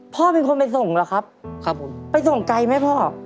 พ่อเป็นคนไปส่งเหรอครับไปส่งไกลไหมพ่อครับผม